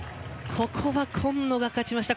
ここは今野が勝ちました